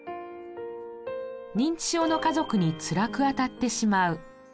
認知症の家族につらくあたってしまう。